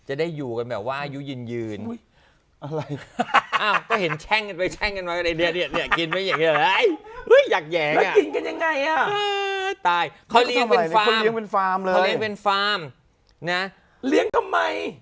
อะไรอย่างนี้